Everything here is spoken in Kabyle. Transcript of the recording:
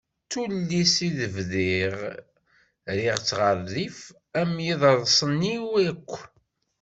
D tullist i d-bdiɣ rriɣ-tt ɣer rrif am yiḍrsen-iw akk.